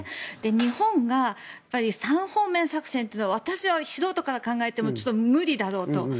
日本が３方面作戦というのは私、素人から考えてもちょっと無理だろうと。